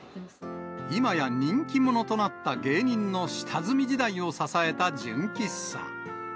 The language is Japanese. いまや人気者となった芸人の下積み時代を支えた純喫茶。